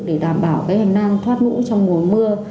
để đảm bảo cái hành năng thoát ngũ trong mùa mưa